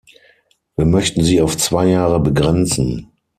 Wir möchten sie auf zwei Jahre begrenzen.